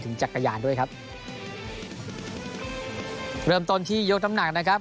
ต้องเริ่มต้อนที่ครับ